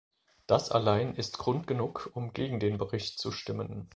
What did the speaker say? Das allein ist Grund genug, um gegen den Bericht zu stimmen.